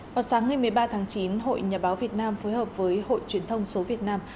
vào sáng ngày một mươi ba tháng chín hội nhà báo việt nam phối hợp với hội truyền thông số việt nam